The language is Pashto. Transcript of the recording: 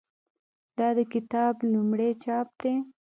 دا د کتاب لومړی چاپ دی.